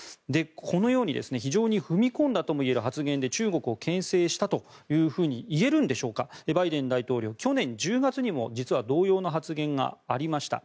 このように非常に踏み込んだと言える発言で中国をけん制したというふうに言えるんでしょうかバイデン大統領、去年１０月にも同様の発言がありました。